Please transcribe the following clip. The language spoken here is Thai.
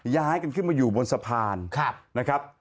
ย้ายกันขึ้นมาอยู่บนสะพานนะครับ